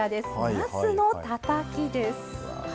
なすのたたきです。